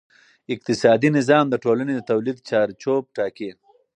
اقتصادي نظام د ټولنې د تولید چارچوب ټاکي.